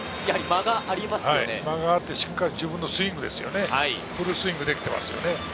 間があってしっかり自分のスイング、フルスイングができていますよね。